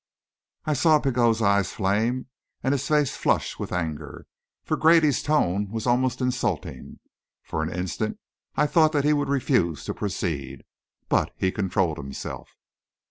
I saw Pigot's eyes flame and his face flush with anger, for Grady's tone was almost insulting. For an instant I thought that he would refuse to proceed; but he controlled himself.